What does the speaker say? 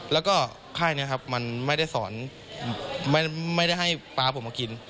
แล้วก็ค่ายนี้ครับมันไม่ได้สอนไม่ได้ให้ปลาผมมากิน